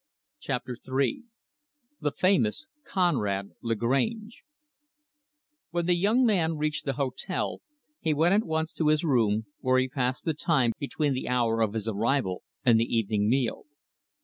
Chapter III The Famous Conrad Lagrange When the young man reached the hotel, he went at once to his room, where he passed the time between the hour of his arrival and the evening meal.